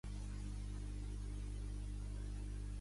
Quines botigues hi ha al la Rambla?